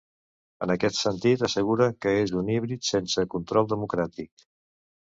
En aquest sentit, assegura que és un híbrid sense ‘control democràtic.’